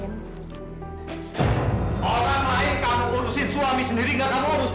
orang lain kamu urusin suami sendiri nggak kamu urus